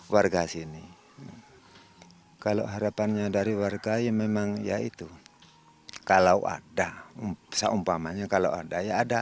warga yang memang ya itu kalau ada seumpamanya kalau ada ya ada